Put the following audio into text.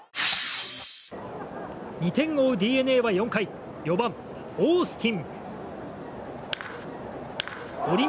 ２点を追うＤｅＮＡは４回４番、オースティン。